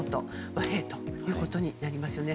和平ということになりますよね。